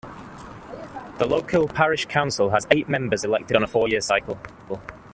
The local Parish Council has eight members elected on a four-year cycle.